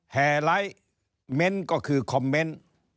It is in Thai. ไฮไลค์เม้นต์ก็คือคอมเมนต์